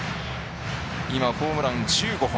今、ホームラン１５本。